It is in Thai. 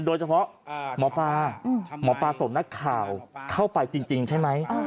หมอปลาหมอปลาส่งนักข่าวเข้าไปจริงใช่ไหม